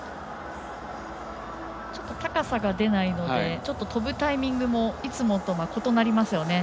高さが出ないので跳ぶタイミングもいつもと異なりますよね。